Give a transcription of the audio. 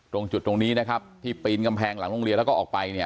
ตรงจุดตรงนี้นะครับที่ปีนกำแพงหลังโรงเรียนแล้วก็ออกไปเนี่ย